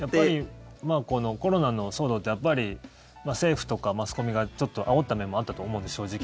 このコロナの騒動ってやっぱり政府とかマスコミがちょっとあおった面もあったと思うんですよ、正直。